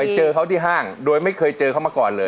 เจอเขาที่ห้างโดยไม่เคยเจอเขามาก่อนเลย